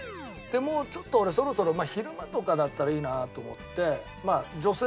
もうちょっと俺そろそろ昼間とかだったらいいなと思って。